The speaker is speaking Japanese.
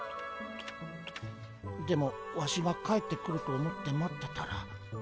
でもワシが帰ってくると思って待ってたら。